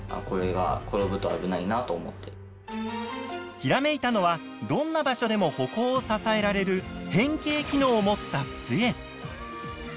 ひらめいたのはどんな場所でも歩行を支えられる変形機能を持ったつえ。